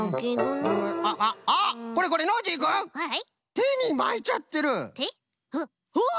てにまいちゃってる！